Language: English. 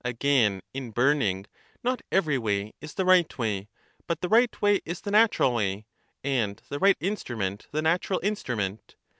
Again, in burning, not ever}' way is the right way ; but the right way is the natural way, and the right instru ment the natural instrument.